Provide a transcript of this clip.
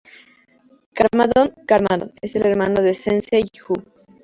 Garmadon: Garmadon es el hermano del Sensei Wu.